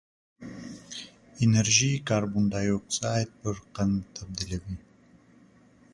انرژي کاربن ډای اکسایډ پر قند تبدیلوي.